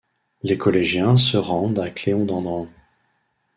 Les collégiens se rendent à Cléon-d'Andran.